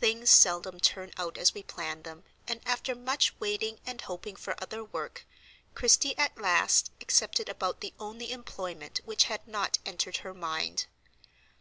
Things seldom turn out as we plan them, and after much waiting and hoping for other work Christie at last accepted about the only employment which had not entered her mind.